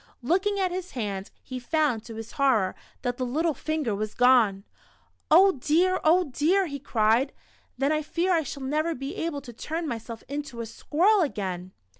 Looking at his hand, he found, to his horror, that the little finger was gone I What the Squirrel Did for Richard. 1 1 1 "Oh, dear, oh, dear," he cried, "then I fear I shall never be able to turn myself into a squirrel again."